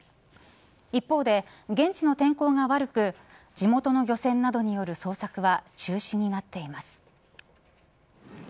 一方で、現地の天候が悪く地元の漁船などによる捜索は中止になっています。